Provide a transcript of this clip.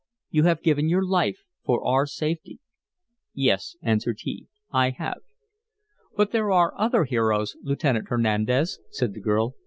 You have given your life for our safety." "Yes," answered he, "I have." "But there are other heroes, Lieutenant Hernandez," said the girl.